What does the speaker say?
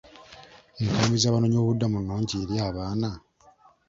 Enkambi z'Abanoonyi boobubudamu nnungi eri abaana?